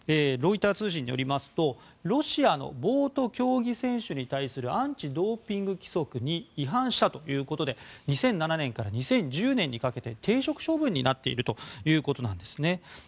ロイター通信によりますとロシアのボート競技選手に対するアンチ・ドーピング規則に違反したということで２００７年から２０１０年にかけて停職処分になっているということなんですね。